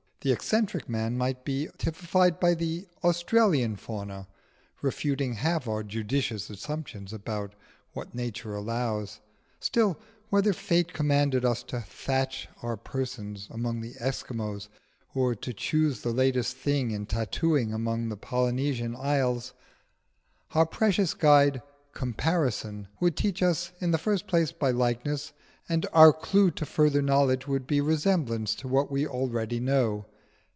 The eccentric man might be typified by the Australian fauna, refuting half our judicious assumptions of what nature allows. Still, whether fate commanded us to thatch our persons among the Eskimos or to choose the latest thing in tattooing among the Polynesian isles, our precious guide Comparison would teach us in the first place by likeness, and our clue to further knowledge would be resemblance to what we already know.